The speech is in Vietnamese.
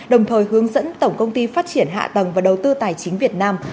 đồng thời hướng dẫn tổng công ty phát triển hạ tầng và đầu tư tài chính việt nam